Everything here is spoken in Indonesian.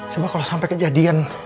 cuma kalau sampai kejadian